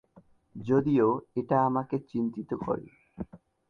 যদিও এটা আমাকে চিন্তিত করে।